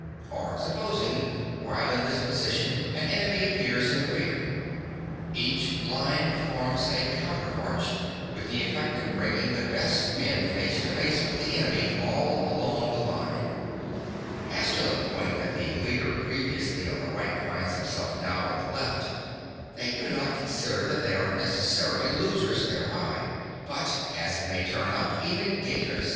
Or supposing while in this position an enemy appears in the rear. Each file performs a counter march (17) with the effect of bringing the best men face to face with the enemy all along the line. (18) As to the point that the leader previously on the right finds himself now on the left, (19) they do not consider that they are necessarily losers thereby, but, as it may turn out, even gainers.